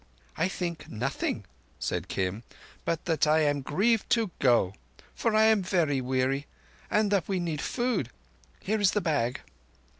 "I think nothing," said Kim, "but that I am grieved to go, for I am very weary; and that we need food. Here is the bag."